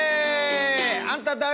あんた誰？